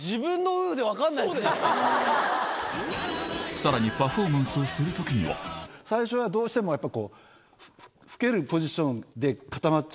さらにパフォーマンスをするときは最初はどうしてもやっぱりこう。